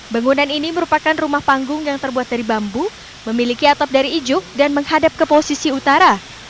bangunan ini merupakan rumah panggung yang terbuat dari bambu memiliki atap dari ijuk dan menghadap ke posisi utara